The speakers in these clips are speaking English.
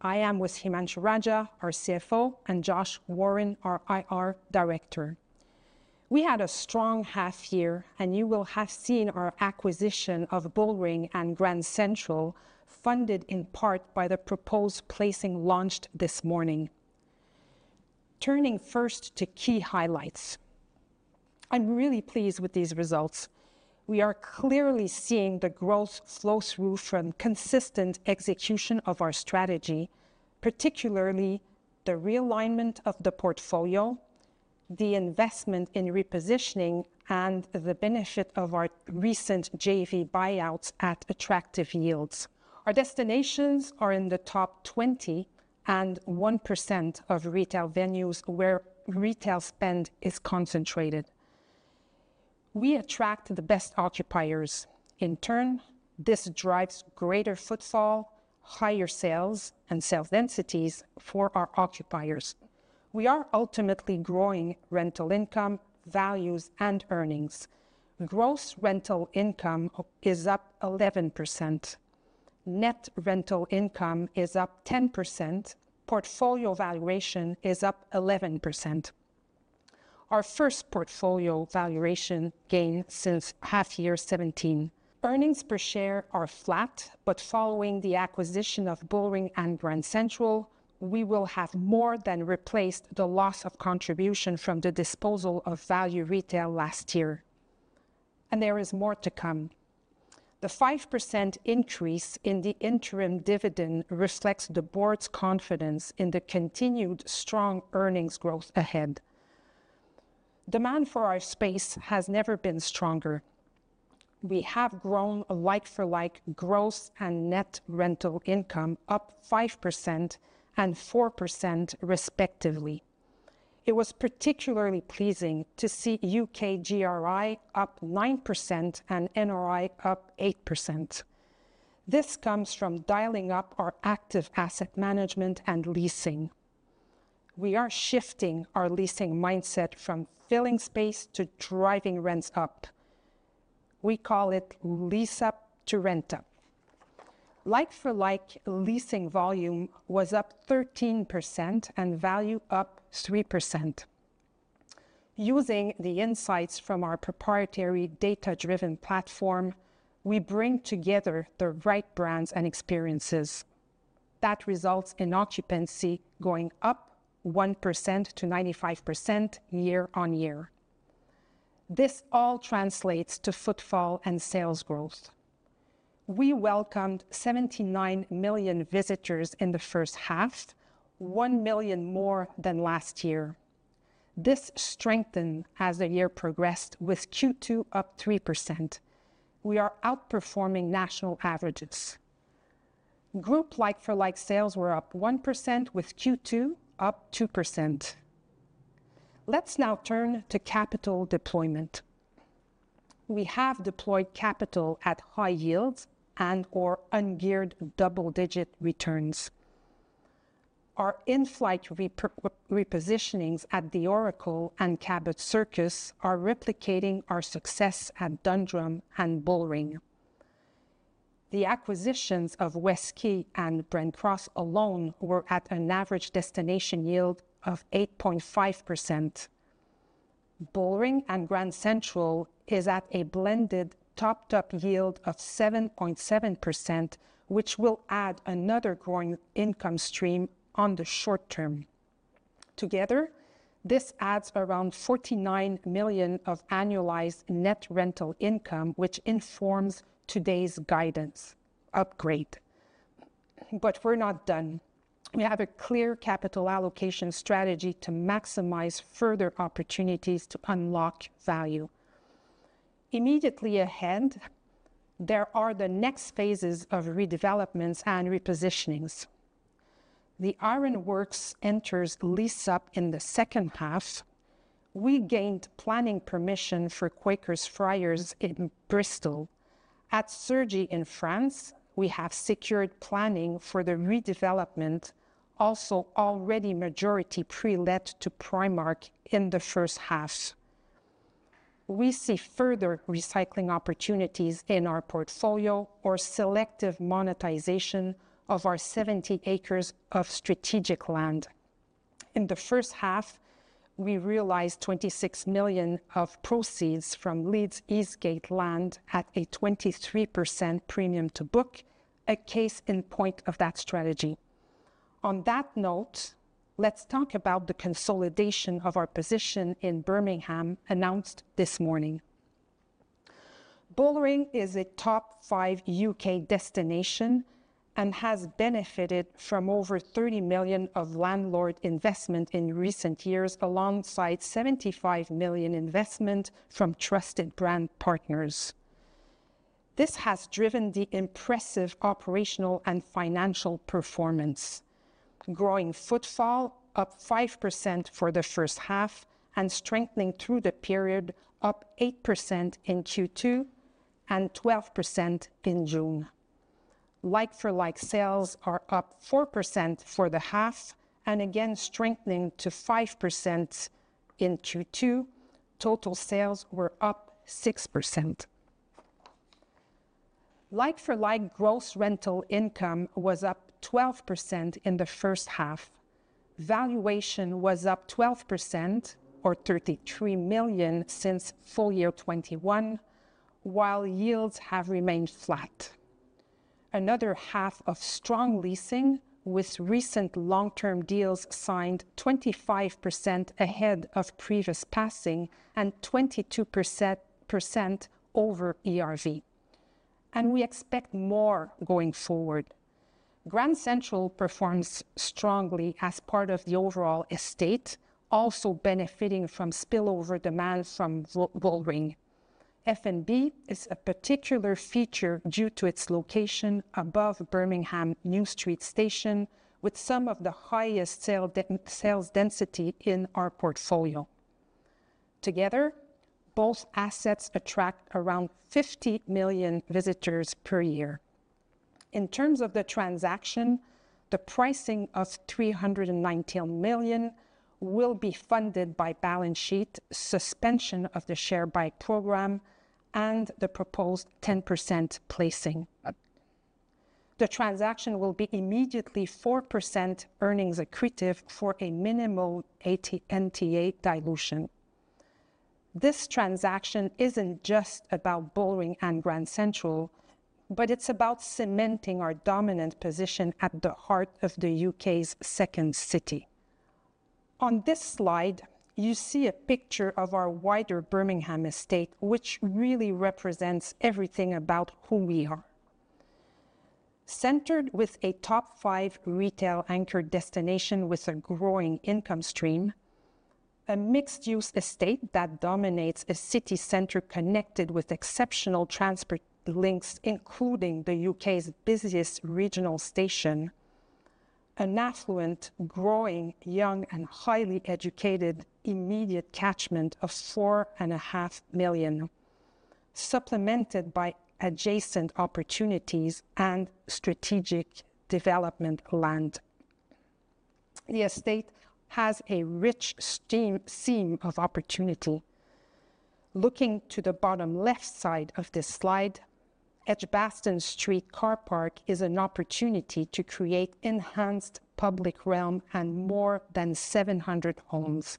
I am with Himanshu Raja, our CFO, and Josh Warren, our IR Director. We had a strong half year, and you will have seen our acquisition of Bullring and Grand Central funded in part by the proposed placing launched this morning. Turning first to key highlights, I'm really pleased with these results. We are clearly seeing the growth flow through from consistent execution of our strategy, particularly the realignment of the portfolio, the investment in repositioning, and the benefit of our recent JV buyouts at attractive yields. Our destinations are in the top 20 and 1% of retail venues where retail spend is concentrated. We attract the best occupiers. In turn, this drives greater footfall, higher sales, and sales densities for our occupiers. We are ultimately growing rental income, values, and earnings. Gross rental income is up 11%. Net rental income is up 10%. Portfolio valuation is up 11%, our first portfolio valuation gain since half year 2017. Earnings per share are flat. Following the acquisition of Bullring and Grand Central, we will have more than replaced the loss of contribution from the disposal of Value Retail last year. There is more to come. The 5% increase in the interim dividend reflects the Board's confidence in the continued strong earnings growth ahead. Demand for our space has never been stronger. We have grown like-for-like gross and net rental income up 5% and 4% respectively. It was particularly pleasing to see U.K. GRI up 9% and NRI up 8%. This comes from dialing up our active asset management and leasing. We are shifting our leasing mindset from filling space to driving rents up. We call it lease up to rent up. Like-for-like leasing volume was up 13% and value up 3%. Using the insights from our proprietary data-driven platform, we bring together the right brands and experiences that result in occupancy going up 1% to 95% year on year. This all translates to footfall and sales growth. We welcomed 79 million visitors in the first half, 1 million more than last year. This strengthened as the year progressed, with Q2 up 3%. We are outperforming national averages. Group like-for-like sales were up 1% with Q2 up 2%. Let's now turn to capital deployment. We have deployed capital at high yields and or ungeared double-digit returns. Our in-flight repositionings at The Oracle and Cabot Circus are replicating our success at Dundrum and Bullring. The acquisitions of West Key and Bren Cross alone were at an average destination yield of 8.5%. Bullring and Grand Central is at a blended top yield of 7.7% which will add another growing income stream in the short term. Together this adds aroundGBP 49 million of annualized net rental income which informs today's guidance upgrade. We're not done. We have a clear capital allocation strategy to maximize further opportunities to unlock value. Immediately ahead there are the next phases of redevelopments and repositionings. The Ironworks enters lease up in the second half. We gained planning permission for Quakers Friars in Bristol. At Sergi in France we have secured planning for the redevelopment, also already majority pre-let to Primark. In the first half we see further recycling opportunities in our portfolio or selective monetization of our 70 acres of strategic land. In the first half we realizedGBP 26 million of proceeds from Leeds Eastgate land at a 23% premium to book, a case in point of that strategy. On that note, let's talk about the consolidation of our position in Birmingham announced this morning. Bullring is a top five U.K. destination and has benefited from overGBP 30 million of landlord investment in recent years alongsideGBP 75 million investments from trusted brand partners. This has driven the impressive operational and financial performance, growing footfall up 5% for the first half and strengthening through the period, up 8% in Q2 and 12% in June. Like-for-like sales are up 4% for the half and again strengthening to 5% in Q2. Total sales were up 6%. Like-for-like gross rental income was up 12% in the first half. Valuation was up 12% orGBP 33 million since full year 2021 while yields have remained flat. Another half of strong leasing with recent long-term deals signed 25% ahead of previous passing and 22% over ERV and we expect more going forward. Grand Central performs strongly as part of the overall estate, also benefiting from spillover demand from Bullring. F&B is a particular feature due to its location above Birmingham New Street Station with some of the highest sales density in our portfolio. Together both assets attract around 50 million visitors per year. In terms of the transaction, the pricing ofGBP 319 million will be funded by balance sheet, suspension of the share buyback program, and the proposed 10% placing. The transaction will be immediately 4% earnings accretive for a minimal NTA dilution. This transaction isn't just about Bullring and Grand Central, but it's about cementing our dominant position at the heart of the U.K.'s second city. On this slide you see a picture of our wider Birmingham estate, which really represents everything about who we are, centered with a top five retail anchored destination with a growing income stream, a mixed use estate that dominates a city center connected with exceptional transport links including the U.K.'s busiest regional station. An affluent, growing, young, and highly educated immediate catchment of 4.5 million, supplemented by adjacent opportunities and strategic development land. The estate has a rich seam of opportunity. Looking to the bottom left side of this slide, Edgbaston Street car park is an opportunity to create enhanced public realm and more than 700 homes.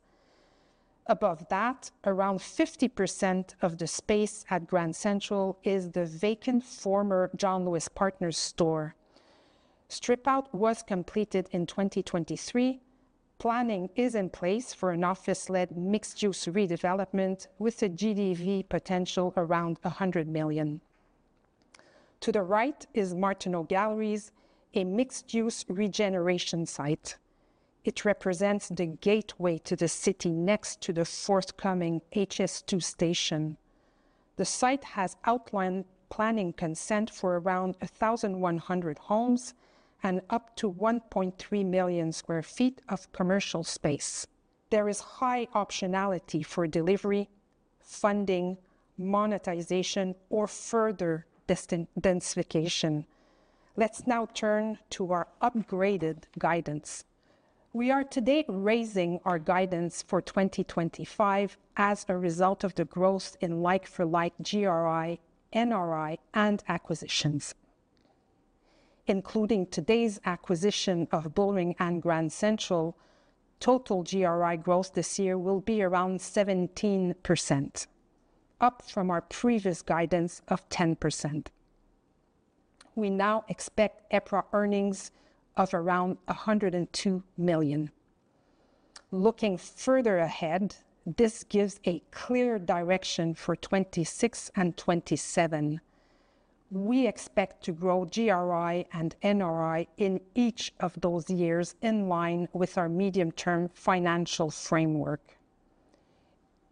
Above that, around 50% of the space at Grand Central is the vacant former John Lewis Partners store. Strip out was completed in 2023. Planning is in place for an office led mixed use redevelopment with a GDV potential aroundGBP 100 million. To the right is Martineau Galleries, a mixed use regeneration site. It represents the gateway to the city next to the forthcoming HS2 station. The site has outlined planning consent for around 1,100 homes and up to 1.3 million square feet of commercial space. There is high optionality for delivery, funding, monetization, or further densification. Let's now turn to our upgraded guidance. We are today raising our guidance for 2025 as a result of the growth in like for like GRI, NRI, and acquisitions, including today's acquisition of Bullring and Grand Central. Total GRI growth this year will be around 17%, up from our previous guidance of 10%. We now expect EPRA earnings of aroundGBP 102 million. Looking further ahead, this gives a clear direction for 2026 and 2027. We expect to grow GRI and NRI in each of those years in line with our medium term financial framework.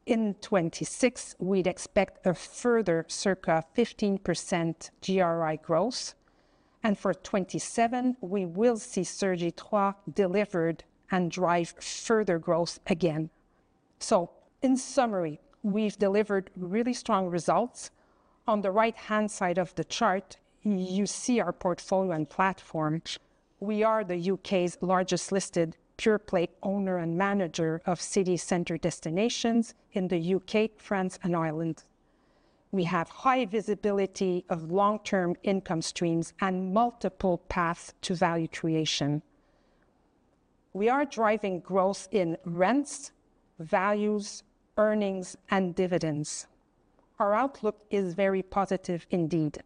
In 2026 we'd expect a further circa 15% GRI growth, and for 2027 we will see surge etois delivered and drive further growth again. In summary, we've delivered really strong results. On the right hand side of the chart you see our portfolio and platform. We are the U.K.'s largest listed pure play owner and manager of city center destinations in the U.K., France, and Ireland. We have high visibility of long term income streams and multiple paths to value creation. We are driving growth in rents, values, earnings, and dividends. Our outlook is very positive indeed.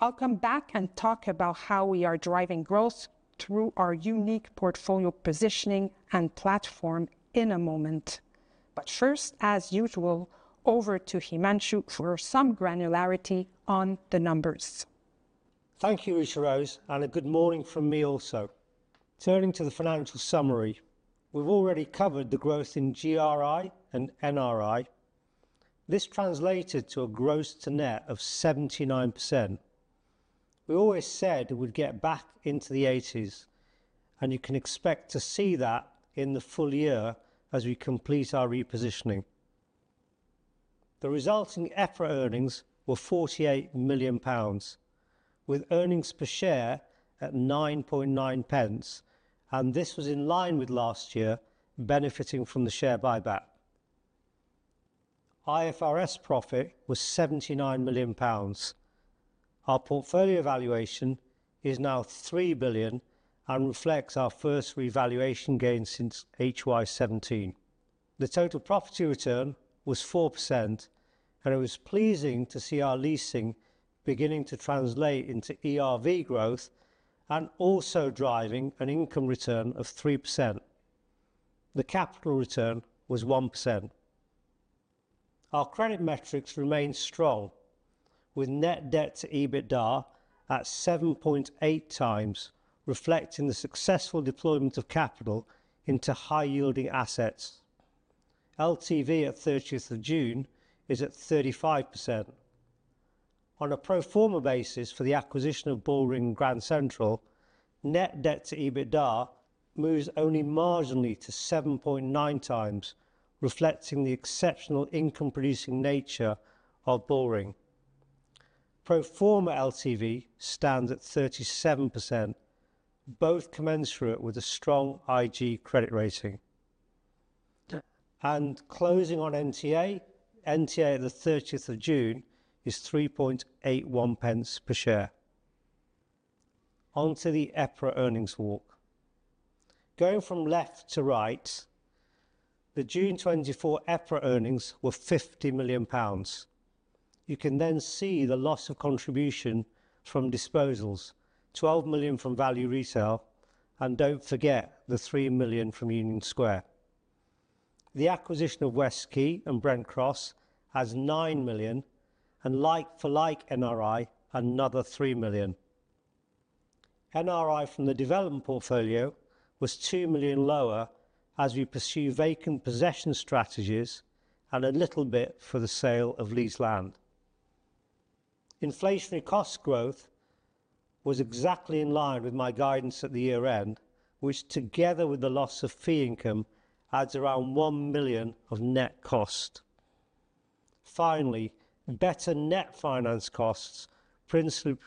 I'll come back and talk about how we are driving growth through our unique portfolio positioning and platform in a moment. As usual, over to Himanshu for some granularity on the numbers. Thank you, Rita-Rose, and a good morning from me. Also, turning to the financial summary, we've already covered the growth in GRI and NRI. This translated to a gross to net of 79%. We always said we'd get back into the 80s, and you can expect to see that in the full year as we complete our repositioning. The resulting EPRA earnings wereGBP 48 million with earnings per share at 9.9 pence, and this was in line with last year. Benefiting from the share buyback, IFRS profit wasGBP 79 million. Our portfolio valuation is nowGBP 3 billion and reflects our first revaluation gain since HY 2017. The total property return was 4%, and it was pleasing to see our leasing beginning to translate into ERV growth and also driving an income return of 3%. The capital return was 1%. Our credit metrics remain strong with net debt to EBITDA at 7.8 times, reflecting the successful deployment of capital into high-yielding assets. LTV at 30 June is at 35% on a pro forma basis for the acquisition of Bullring and Grand Central. Net debt to EBITDA moves only marginally to 7.9 times, reflecting the exceptional income-producing nature of Bullring. Pro forma LTV stands at 37%, both commensurate with a strong IG credit rating and closing on NTA. NTA on 30 June is 381 pence per share. Onto the EPRA earnings walk, going from left to right, the June 24 EPRA earnings wereGBP 50 million. You can then see the loss of contribution from disposals, GBP 12 million from Value Retail, and don't forget theGBP 3 million from Union Square. The acquisition of Westquay and Brent Cross hasGBP 9 million, and like-for-like NRI anotherGBP 3 million. NRI from the development portfolio wasGBP 2 million lower as we pursue vacant possession strategies and a little bit for the sale of leased land. Inflationary cost growth was exactly in line with my guidance at the year end, which together with the loss of fee income adds aroundGBP 1 million of net cost. Finally, better net finance costs, principally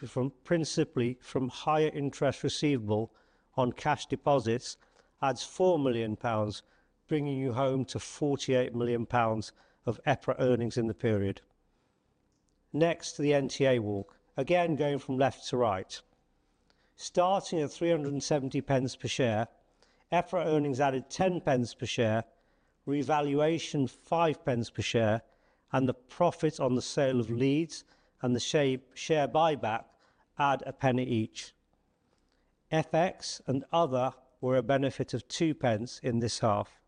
from higher interest receivable on cash deposits, addsGBP 4 million, bringing you home toGBP 48 million of EPRA earnings in the period. Next, the NTA walk, again going from left to right, starting at 370 pence per share. EPRA earnings added 10 pence per share, revaluation 5 pence per share, and the profit on the sale of Leeds and the share buyback add a penny each. FX and other were a benefit of 2 pence in this half,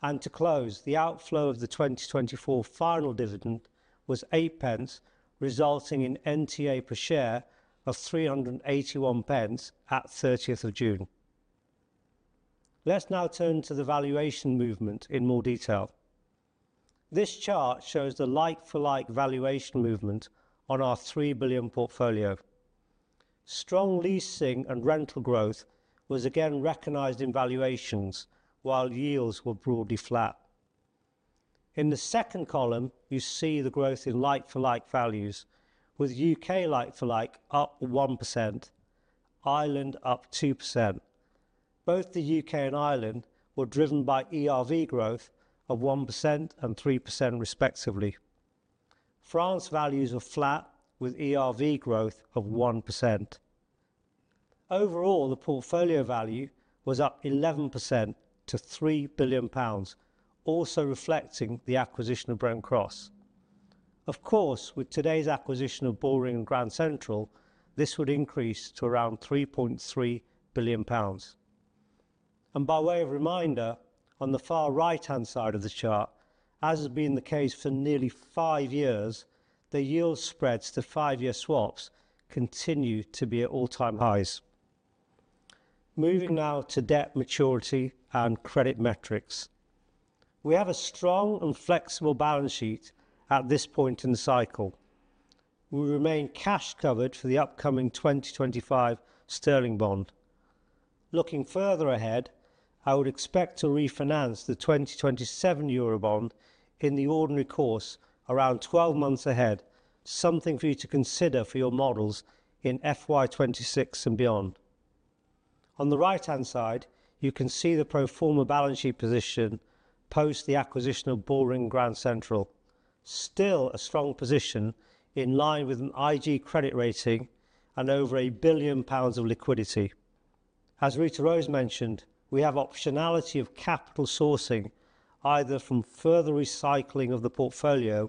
and to close, the outflow of the 2024 final dividend was 8 pence, resulting in NTA per share of 381 pence at 30 June. Let's now turn to the valuation movement in more detail. This chart shows the like-for-like valuation movement on ourGBP 3 billion portfolio. Strong leasing and rental growth was again recognized in valuations, while yields were broadly flat. In the second column, you see the growth in like-for-like values, with U.K. like-for-like up 1%, Ireland up 2%. Both the U.K. and Ireland were driven by ERV growth of 1% and 3%, respectively. France values are flat, with ERV growth of 1%. Overall, the portfolio value was up 11% toGBP 3 billion, also reflecting the acquisition of Brent Cross. Of course, with today's acquisition of Bullring and Grand Central, this would increase to aroundGBP 3.3 billion. By way of reminder, on the far right-hand side of the chart, as has been the case for nearly five years, the yield spreads to five-year swaps continue to be at all-time highs. Moving now to debt maturity and credit metrics, we have a strong and flexible balance sheet at this point in the cycle. We remain cash covered for the upcoming 2025 sterling bond. Looking further ahead, I would expect to refinance the 2027 Eurobond in the ordinary course, around 12 months ahead. This is something for you to consider for your models in FY26 and beyond. On the right-hand side, you can see the pro forma balance sheet position post the acquisition of Bullring and Grand Central, still a strong position in line with an IG credit rating and overGBP 1 billion of liquidity. As Rita-Rose Gagné mentioned, we have optionality of capital sourcing, either from further recycling of the portfolio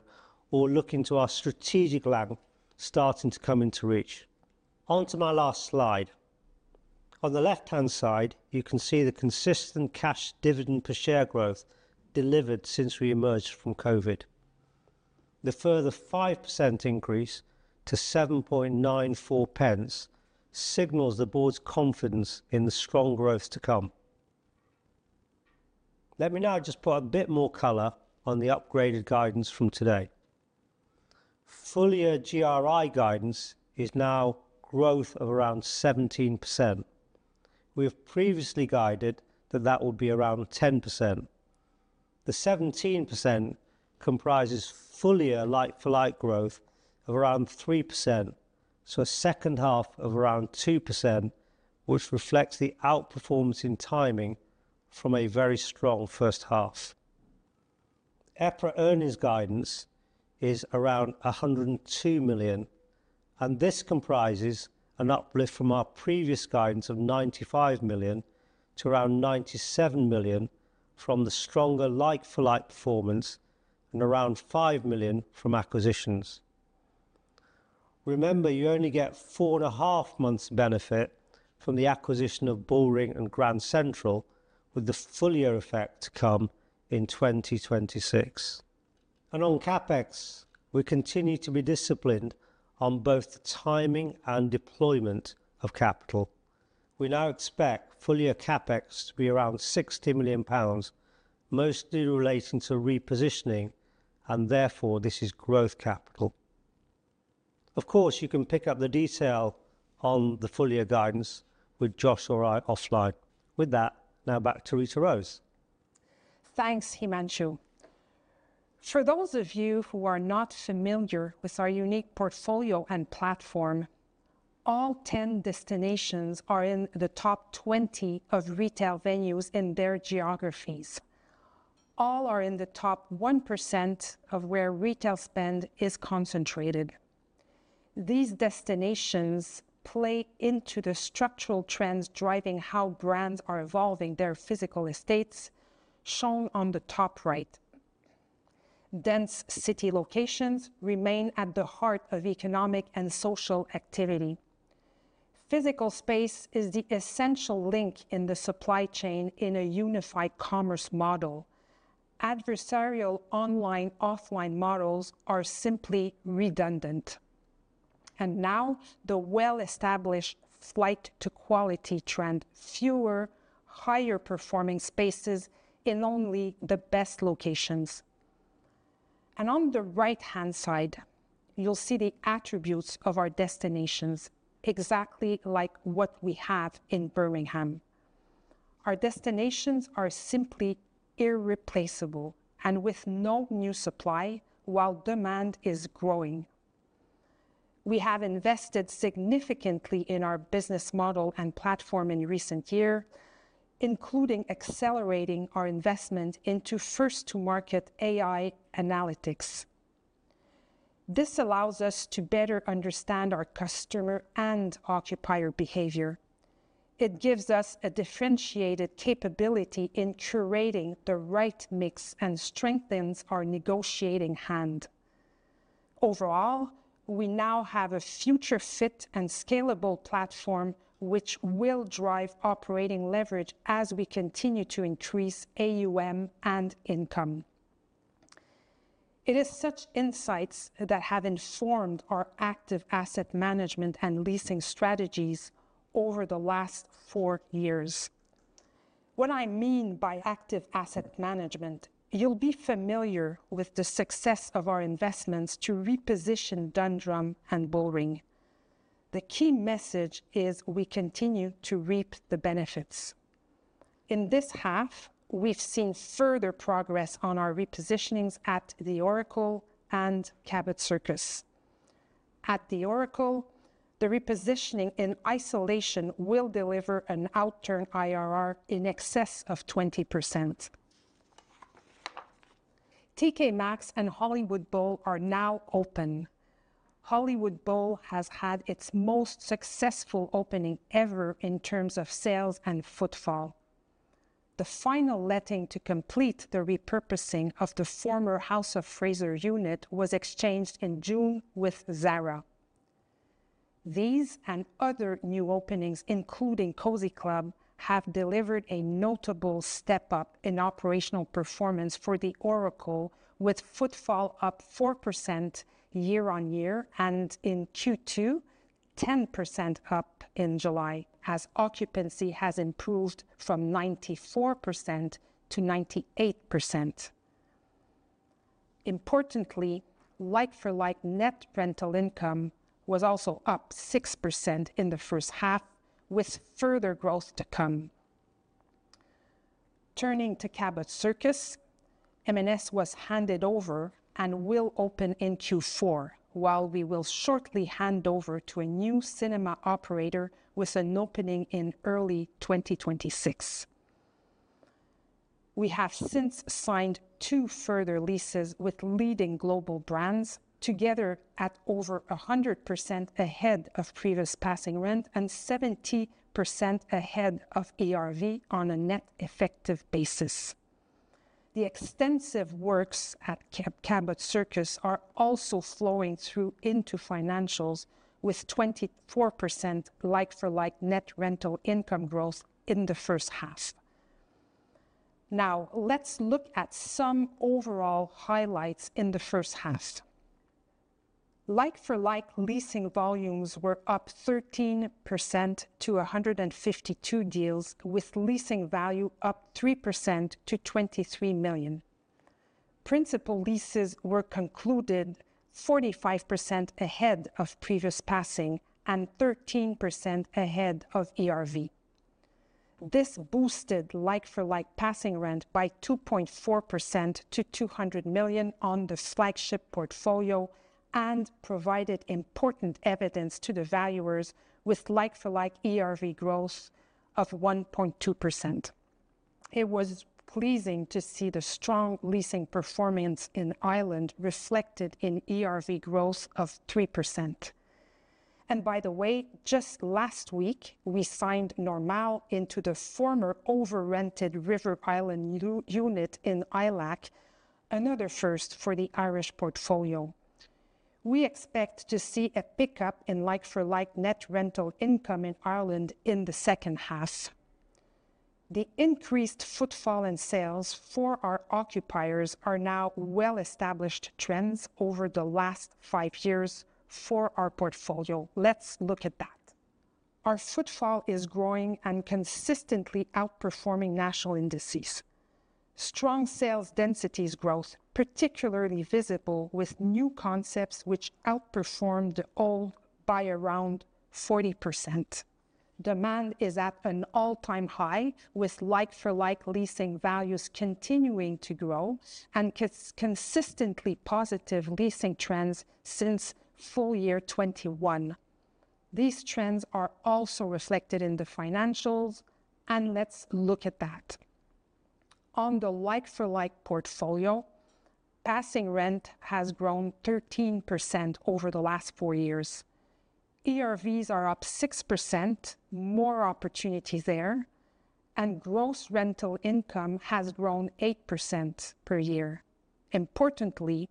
or looking to our strategic lag starting to come into reach. Onto my last slide, on the left-hand side, you can see the consistent cash dividend per share growth delivered since we emerged from COVID. The further 5% increase to 7.94 pence signals the board's confidence in the strong growth to come. Let me now just put a bit more color on the upgraded guidance from today. Full-year GRI guidance is now growth of around 17%. We have previously guided that that would be around 10%. The 17% comprises full-year like-for-like growth of around 3%, so a second half of around 2%, which reflects the outperformance in timing from a very strong first half. EPRA earnings guidance is aroundGBP 102 million, and this comprises an uplift from our previous guidance ofGBP 95 million to aroundGBP 97 million from the stronger like-for-like performance and aroundGBP 5 million from acquisitions. Remember you only get four and a half months benefit from the acquisition of Bullring and Grand Central with the full year effect to come in 2026. On CapEx, we continue to be disciplined on both the timing and deployment of capital. We now expect full year CapEx to be aroundGBP 60 million, mostly relating to repositioning, and therefore this is growth capital. Of course, you can pick up the detail on the full year guidance with Josh or I offline. With that, now back to Rita-Rose. Thanks, Himanshu. For those of you who are not familiar with our unique portfolio and platform, all 10 destinations are in the top 20 of retail venues in their geographies. All are in the top 1% of where retail spend is concentrated. These destinations play into the structural trends driving how brands are evolving their physical estates shown on the top right. Dense city locations remain at the heart of economic and social activity. Physical space is the essential link in the supply chain in a unified commerce model. Adversarial online offline models are simply redundant and now the well established flight to quality trend. Fewer higher performing spaces in only the best locations. On the right hand side you'll see the attributes of our destinations exactly like what we have in Birmingham. Our destinations are simply irreplaceable and with no new supply while demand is growing. We have invested significantly in our business model and platform in recent years, including accelerating our investment into first to market AI analytics. This allows us to better understand our customer and occupier behavior. It gives us a differentiated capability in curating the right mix and strengthens our negotiating hand overall. We now have a future fit and scalable platform which will drive operating leverage as we continue to increase AUM and income. It is such insights that have informed our active asset management and leasing strategies over the last four years. What I mean by active asset management, you'll be familiar with the success of our investments to reposition Dundrum and Bullring. The key message is we continue to reap the benefits in this half. We've seen further progress on our repositionings at The Oracle and Cabot Circus. At The Oracle, the repositioning in isolation will deliver an outturn IRR in excess of 20%. TK Maxx and Hollywood Bowl are now open. Hollywood Bowl has had its most successful opening ever in terms of sales and footfall. The final letting to complete the repurposing of the former House of Fraser unit was exchanged in June with Zara. These and other new openings, including Cozy Club, have delivered a notable step up in operational performance for The Oracle, with footfall up 4% year on year and in Q2 10% up in July as occupancy has improved from 94% to 98%. Importantly, like for like net rental income was also up 6% in the first half with further growth to come. Turning to Cabot Circus, M&S was handed over and will open in Q4 while we will shortly hand over to a new cinema operator with an opening in early 2026. We have since signed two further leases with leading global brands together at over 100% ahead of previous passing rent and 70% ahead of ERV on a net effective basis. The extensive works at Cabot Circus are also flowing through into financials with 24% like-for-like net rental income growth in the first half. Now let's look at some overall highlights. In the first half, like-for-like leasing volumes were up 13% to 152 deals with leasing value up 3% toGBP 23 million. Principal leases were concluded 45% ahead of previous passing and 13% ahead of ERV. This boosted like-for-like passing rent by 2.4% toGBP 200 million on the flagship portfolio and provided important evidence to the valuers with like-for-like ERV growth of 1.2%. It was pleasing to see the strong leasing performance in Ireland reflected in ERV growth of 3%. By the way, just last week we signed Normal into the former over-rented River Island unit in Ilac, another first for the Irish portfolio. We expect to see a pickup in like-for-like net rental income in Ireland in the second half. The increased footfall and sales for our occupiers are now well-established trends over the last five years for our portfolio. Let's look at that. Our footfall is growing and consistently outperforming national indices, strong sales densities, growth particularly visible with new concepts which outperformed the old by around 40%. Demand is at an all-time high with like-for-like leasing values continuing to grow and consistently positive leasing trends since full year 2021. These trends are also reflected in the financials and let's look at that on the like-for-like portfolio. Passing rent has grown 13% over the last four years, ERVs are up 6%, more opportunities there, and gross rental income has grown 8% per year. Importantly,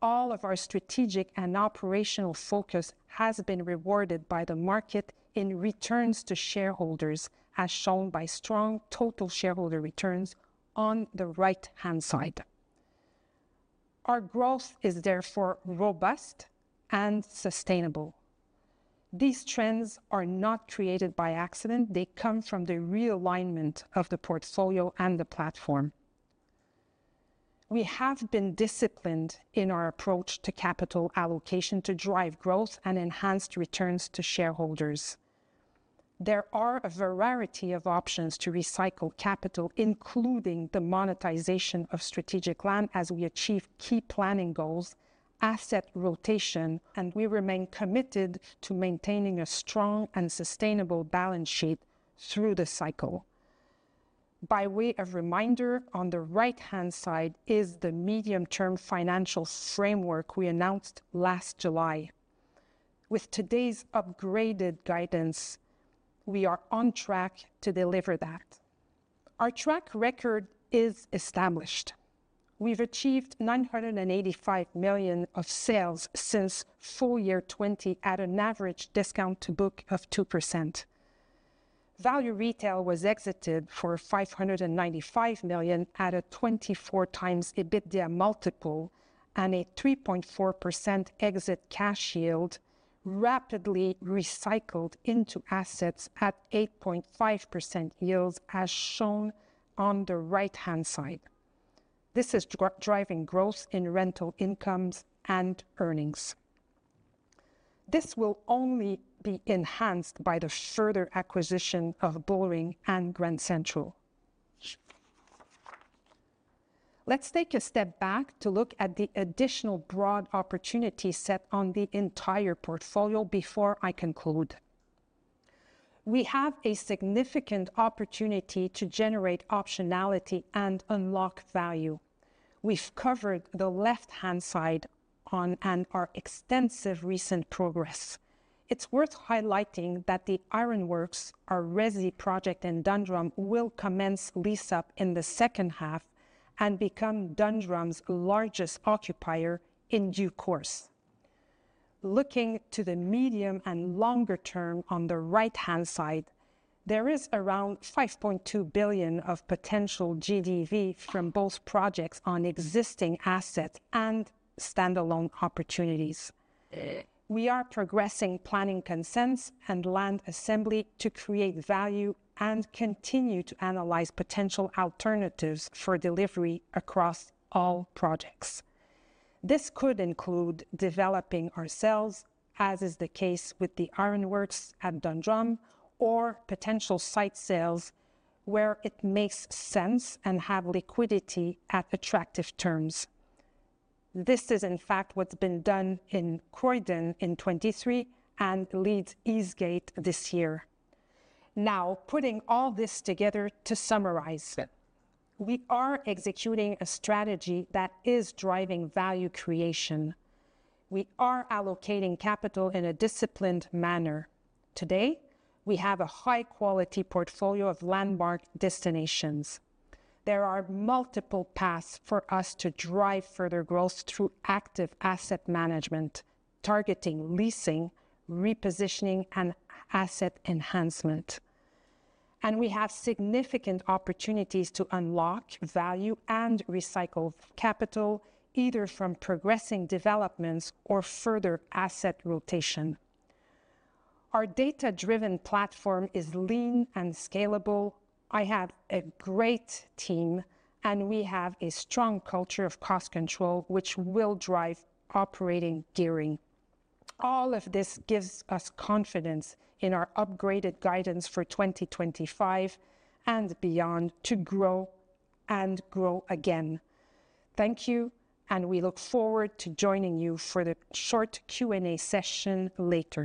all of our strategic and operational focus has been rewarded by the market in returns to shareholders as shown by strong total shareholder returns on the right-hand side. Our growth is therefore robust and sustainable. These trends are not created by accident, they come from the realignment of the portfolio and the platform. We have been disciplined in our approach to capital allocation to drive growth and enhanced returns to shareholders. There are a variety of options to recycle capital, including the monetization of strategic land as we achieve key planning goals, asset rotation, and we remain committed to maintaining a strong and sustainable balance sheet through the cycle. By way of reminder, on the right hand side is the medium term financial framework we announced last July. With today's upgraded guidance, we are on track to deliver that. Our track record is established. We've achievedGBP 985 million of sales since full year 2020 at an average discount to book of 2% value. Retail was exited forGBP 595 million at a 24 times EBITDA multiple and a 3.4% exit cash yield, rapidly recycled into assets at 8.5% yields. As shown on the right hand side, this is driving growth in rental incomes and earnings. This will only be enhanced by the further acquisition of Bullring and Grand Central. Let's take a step back to look at the additional broad opportunities set on the entire portfolio before I conclude. We have a significant opportunity to generate optionality and unlock value. We've covered the left hand side and our extensive recent progress. It's worth highlighting that the Ironworks, our resi project in Dundrum, will commence lease up in the second half and become Dundrum's largest occupier in due course. Looking to the medium and longer term on the right hand side, there is aroundGBP 5.2 billion of potential GDV from both projects on existing assets and standalone opportunities. We are progressing planning consents and land assembly to create value and continue to analyze potential alternatives for delivery across all projects. This could include developing ourselves, as is the case with the Ironworks at Dundrum, or potential site sales where it makes sense and have liquidity at attractive terms. This is in fact what's been done in Croydon in 2023 and Leeds Eastgate this year. Now, putting all this together to summarize, we are executing a strategy that is driving value creation. We are allocating capital in a disciplined manner. Today, we have a high quality portfolio of landmark destinations. There are multiple paths for us to drive further growth through active asset management, targeting, leasing, repositioning, and asset enhancement. We have significant opportunities to unlock value and recycle capital either from progressing developments or further asset rotation. Our data driven platform is lean and scalable. I have a great team, and we have a strong culture of cost control, which will drive operating gearing. All of this gives us confidence in our upgraded guidance for 2025 and beyond to grow and grow again. Thank you, and we look forward to joining you for the short Q&A session later.